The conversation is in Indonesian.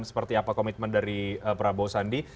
seperti apa komitmen dari prabowo sandi